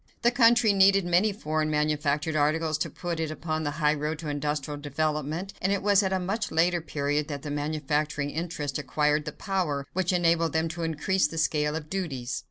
The country needed many foreign manufactured articles to put it upon the highroad to industrial development, and it was at a much later period that the manufacturing interests acquired the power which enabled them to increase the scale of duties.